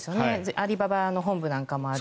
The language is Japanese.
アリババの本部なんかもある。